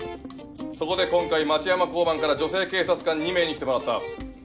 そこで今回町山交番から女性警察官２名に来てもらった。